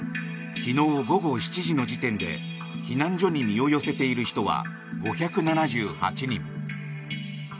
昨日午後７時の時点で避難所に身を寄せている人は５７８人。